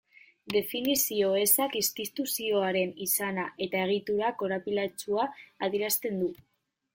Definizio ezak instituzioaren izana eta egitura korapilatsua adierazten du.